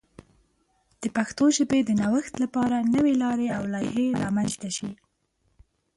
د پښتو ژبې د نوښت لپاره نوې لارې او لایحې رامنځته شي.